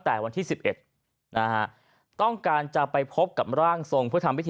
แต่วันที่๑๑นะฮะต้องการจะไปพบกับร่างทรงเพื่อทำพิธี